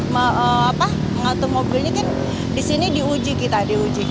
mengatur mobil ini kan disini diuji kita diuji